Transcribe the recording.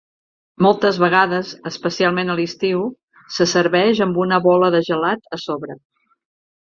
Moltes vegades, especialment a l'estiu, se serveix amb una bola de gelat a sobre.